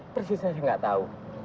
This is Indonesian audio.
tersisa saya enggak tahu